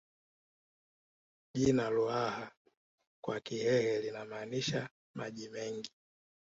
Jina Ruaha kwa Kihehe linamaanisha maji mengi